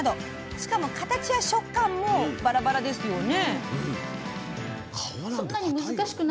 しかも形や食感もバラバラですよね。